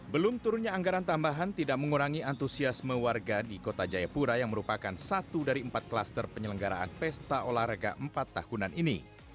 belum turunnya anggaran tambahan tidak mengurangi antusiasme warga di kota jayapura yang merupakan satu dari empat klaster penyelenggaraan pesta olahraga empat tahunan ini